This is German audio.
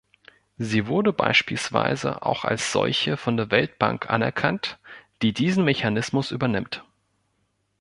Sie wurde beispielsweise auch als solche von den Weltbank anerkannt, die diesen Mechanismus übernimmt.